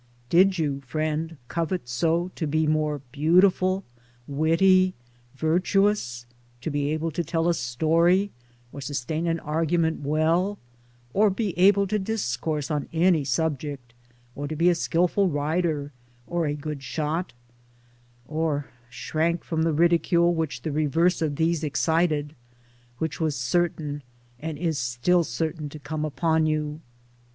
Did you, friend, covet so to be more beautiful, witty, virtuous — to be able to tell a story or sustain an argument well, or to be able to discourse on any subject, or to be a skilful rider or a good shot ? Towards Democracy 39 Or shrank from the ridicule which the reverse of these excited — which was certain and is still certain to come upon you?